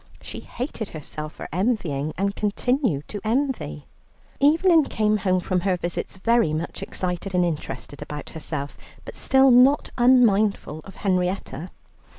She hated herself for envying, and continued to envy. Evelyn came home from her visits very much excited and interested about herself, but still not unmindful of Henrietta.